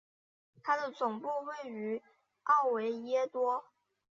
它的总部位于奥维耶多。